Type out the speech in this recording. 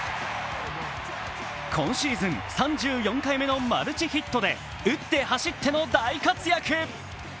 今シーズン３４回目のマルチヒットで打って走っての大活躍。